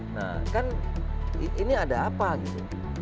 nah kan ini ada apa gitu